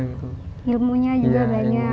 ilmunya juga banyak